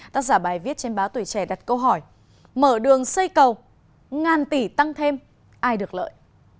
tác giả bài viết trên báo tuổi trẻ đặt câu hỏi mở đường xây cầu ngàn tỷ tăng thêm ai được lợi